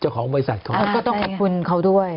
เจ้าของบริษัทก็ต้องขอบคุณเขาด้วย